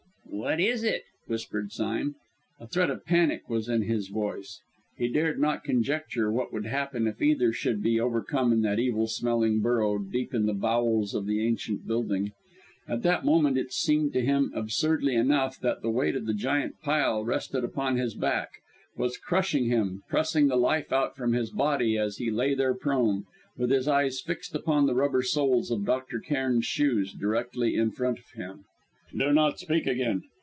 "What is it?" whispered Sime. A threat of panic was in his voice. He dared not conjecture what would happen if either should be overcome in that evil smelling burrow, deep in the bowels of the ancient building. At that moment it seemed to him, absurdly enough, that the weight of the giant pile rested upon his back, was crushing him, pressing the life out from his body as he lay there prone, with his eyes fixed upon the rubber soles of Dr. Cairn's shoes, directly in front of him. But softly came a reply: "Do not speak again!